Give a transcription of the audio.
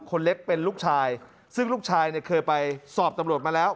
คนเล็กเป็นลูกชายซึ่งลูกชายเนี่ยเคยไปสอบตำรวจมาแล้ว